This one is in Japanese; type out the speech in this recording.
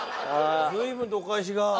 随分とお返しが。